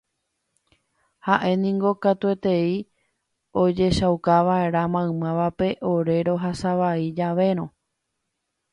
Ha'éniko katuetei ojechaukava'erã maymávape ore rohasavai javérõ